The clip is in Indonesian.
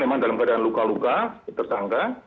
memang dalam keadaan luka luka tersangka